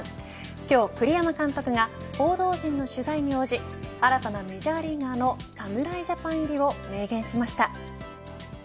今日、栗山監督が報道陣の取材に応じ新たなメジャーリーガーの侍ジャパン入りを明言しました。